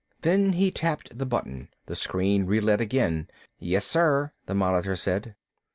Then he tapped the button. The screen relit again. "Yes, sir," the monitor said.